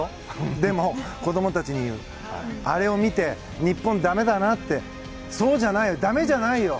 でも子供たちにあれを見て日本だめだなってそうじゃないよだめじゃないよ！